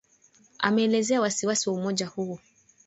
Ameelezea wasi wasi wa umoja huo